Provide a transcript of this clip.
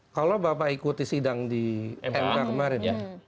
kalau bapak ikuti sidang di mk kemarin